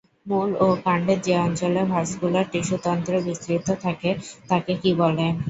মূল ও কাণ্ডের যে অঞ্চলে ভাস্কুলার টিস্যুতন্ত্র বিস্তৃত থাকে তাকে কী বলে?